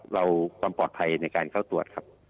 เราความปลอดภัยในการเข้าตรวจครับ